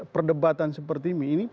perdebatan seperti ini